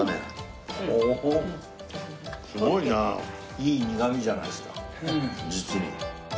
いい苦みじゃないですか実に。